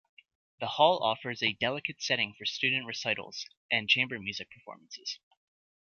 The hall offers a delicate setting for student recitals and chamber music performances.